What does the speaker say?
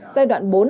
giai đoạn bốn